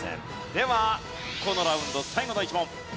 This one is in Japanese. ではこのラウンド最後の１問。